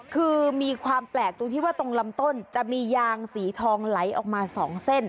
คือมีความแปลกตรงที่ว่าตรงลำต้นจะมียางสีทองไหลออกมา๒เส้น